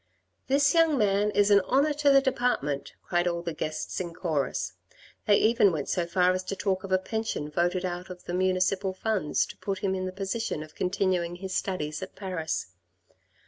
" This young man is an honour to the department," cried all the guests in chorus. They even went so far as to talk of a pension voted out of the municipal funds to put him in the position of continuing his studies at Paris.